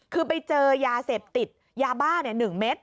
คือไปเจอยาเสพติดยาบ้า๑เม็ด